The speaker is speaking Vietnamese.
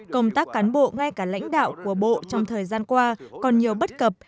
công tác cán bộ ngay cả lãnh đạo của bộ trong thời gian qua còn nhiều bất cập